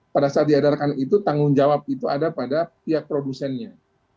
pada saat diedarkan itu tanggung jawab itu ada pada pihak produsennya